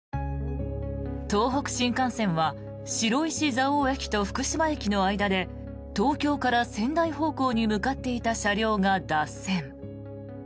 東北新幹線は白石蔵王駅と福島駅の間で東京から仙台方向に向かっていた車両が脱線。